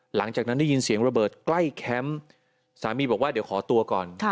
หลังจากนั้นได้ยินเสียงระเบิดใกล้แคมป์สามีบอกว่าเดี๋ยวขอตัวก่อน